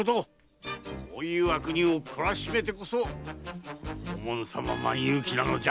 こういう悪人を懲らしめてこそ「黄門様漫遊記」なのじゃ。